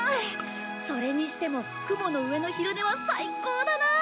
それにしても雲の上の昼寝は最高だなあ！